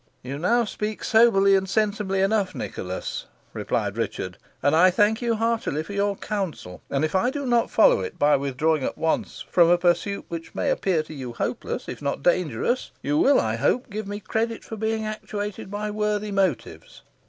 "You now speak soberly and sensibly enough, Nicholas," replied Richard, "and I thank you heartily for your counsel; and if I do not follow it by withdrawing at once from a pursuit which may appear to you hopeless, if not dangerous, you will, I hope, give me credit for being actuated by worthy motives.